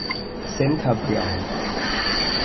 เซนต์คาเบรียล